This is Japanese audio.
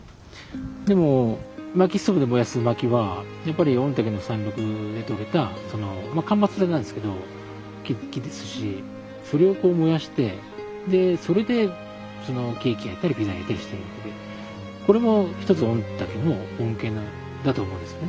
でも薪ストーブで燃やす薪はやっぱり御嶽の山麓でとれた間伐材なんですけど木ですしそれをこう燃やしてでそれでケーキ焼いたりピザ焼いたりしてるわけでこれも一つ御嶽の恩恵なんだと思うんですね。